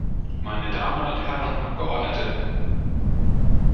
Meine Damen und Herren Abgeordnete!